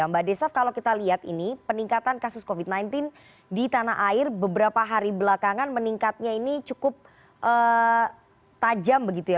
mbak desaf kalau kita lihat ini peningkatan kasus covid sembilan belas di tanah air beberapa hari belakangan meningkatnya ini cukup tajam begitu ya